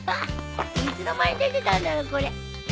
いつの間に出てたんだろこれ。